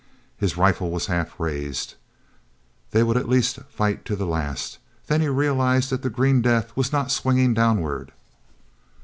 His rifle was half raised—they would at least fight to the last. Then he realized that the green death was not swinging downward.